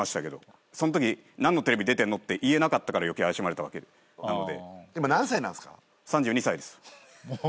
そんとき何のテレビ出てんのって言えなかったから余計怪しまれたわけなので。